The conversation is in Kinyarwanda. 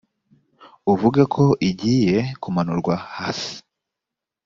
uvuge ko igiye kumanurwa hasi